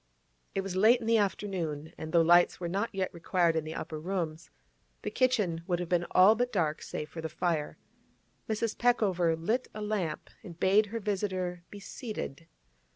It was late in the afternoon, and though lights were not yet required in the upper rooms, the kitchen would have been all but dark save for the fire. Mrs. Peckover lit a lamp and bade her visitor be seated.